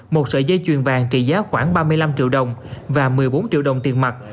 một sợi dây chuyền vàng trị giá khoảng ba mươi năm triệu đồng và một mươi bốn triệu đồng tiền mặt